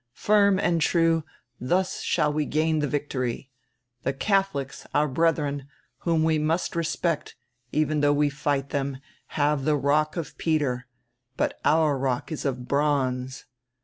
Firm and true, thus shall we gain the victory. The Catholics, our brethren, whom we must respect, even though we fight them, have the 'rock of Peter,' but our rock is of bronze.